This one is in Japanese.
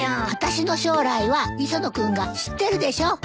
あたしの将来は磯野君が知ってるでしょ！